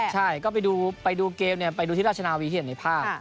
ใช่ก็ไปดูเกมไปดูที่ราชนาวีที่เห็นในภาพ